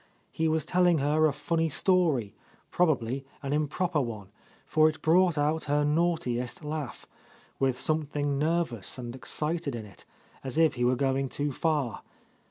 He was telling her a funny story, probably an improper one, for it brought out her naughtiest laugh, with something nervous and excited in it, as if he were going too far.